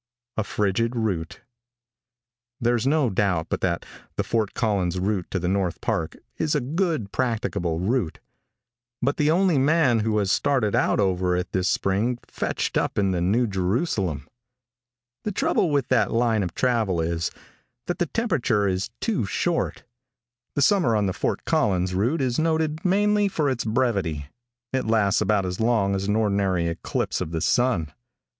A FRIGID ROUTE. |THERE'S no doubt but that the Fort Collins route to the North Park, is a good, practicable route, but the only man who has started out over it this spring fetched up in the New Jerusalem. The trouble with that line of travel is, that the temperature is too short. The summer on the Fort Collins route is noted mainly for its brevity. It lasts about as long as an ordinary eclipse of the sun.